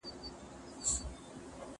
چا ويل چي نه خاندي پرهر واصله نه خاندي